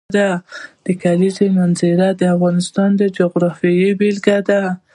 د کلیزو منظره د افغانستان د جغرافیې بېلګه ده.